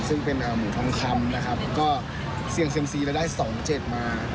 ซึ่งเป็นหมูทองคำนะครับก็เสี่ยงเซียมซีแล้วได้๒๗มา